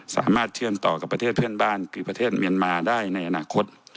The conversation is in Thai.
สามารถเชื่อมต่อกับประเทศเพื่อนบ้านคือประเทศเมียนมาได้ในอนาคต